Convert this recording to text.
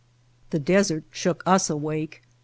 The desert shook us awake.